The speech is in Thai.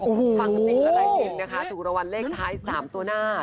ฟังจริงละรายเงินนะคะถูกระวันเลขท้าย๓ตัวหน้า